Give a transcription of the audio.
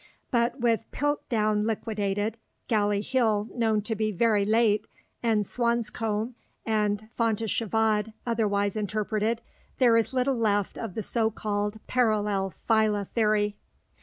But with Piltdown liquidated, Galley Hill known to be very late, and Swanscombe and Fontéchevade otherwise interpreted, there is little left of the so called parallel phyla theory.